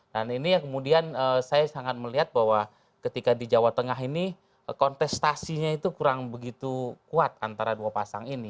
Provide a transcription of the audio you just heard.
dan ini ya kemudian saya sangat melihat bahwa ketika di jawa tengah ini kontestasinya itu kurang begitu kuat antara dua pasang ini